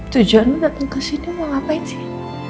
tujuan lu dateng kesini mau ngapain sih